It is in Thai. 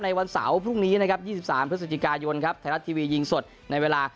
วันเสาร์พรุ่งนี้นะครับ๒๓พฤศจิกายนครับไทยรัฐทีวียิงสดในเวลา